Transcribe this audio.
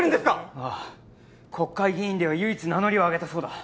ああ、国会議員では唯一、名乗りを上げたそうだ。